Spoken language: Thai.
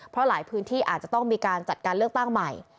เพราะหลายพื้นที่อาจจะต้องมีการจัดการเลือกตั้งใหม่